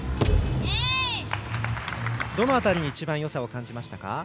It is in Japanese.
どの辺りに一番よさを感じましたか？